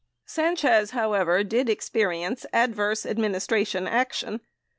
389 Sanchez, however, did experience adverse administration action.